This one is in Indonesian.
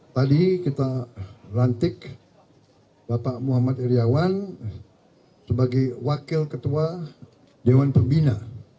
tadi kita rantik bapak muhammad iryawan sebagai wakil ketua dewan pembina